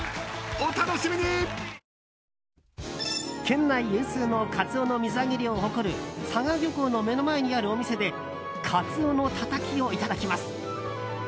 県内有数のカツオの水揚げ量を誇る佐賀漁港の目の前にあるお店でカツオのたたきをいただきます。